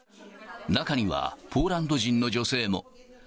中には、ポーランド人の女性も。